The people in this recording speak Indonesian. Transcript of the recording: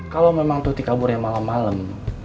kalau memang tuti kaburnya malem malem